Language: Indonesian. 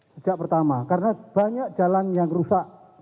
sejak pertama karena banyak jalan yang rusak